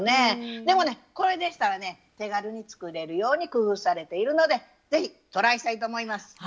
でもねこれでしたらね手軽に作れるように工夫されているので是非トライしたいと思います。